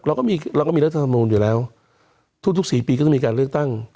เราก็มีรัฐประหารอยู่แล้วทุก๔ปีก็จะมีการเลือกตั้ง